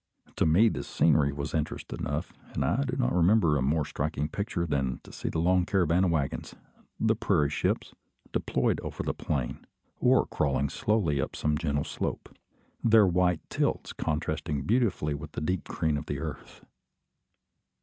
To me the scenery was interest enough; and I do not remember a more striking picture than to see the long caravan of waggons, "the prairie ships," deployed over the plain, or crawling slowly up some gentle slope, their white tilts contrasting beautifully with the deep green of the earth.